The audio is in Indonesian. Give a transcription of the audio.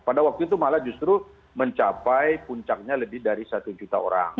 pada waktu itu malah justru mencapai puncaknya lebih dari satu juta orang